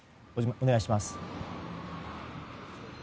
お願いします。